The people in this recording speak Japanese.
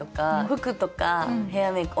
服とかヘアメイク